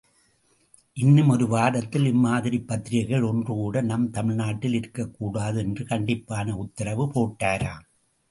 இன்னும் ஒருவாரத்தில் இம்மாதிரிப் பத்திரிகைகள் ஒன்று கூட நம் தமிழ் நாட்டில் இருக்கக்கூடாது என்று கண்டிப்பான உத்தரவு போட்டாராம்.